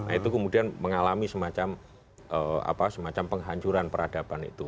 nah itu kemudian mengalami semacam penghancuran peradaban itu